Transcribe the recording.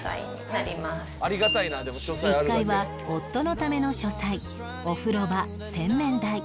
１階は夫のための書斎お風呂場洗面台